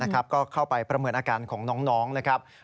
ก็เข้าไปประเมินอาการของน้องนะครับ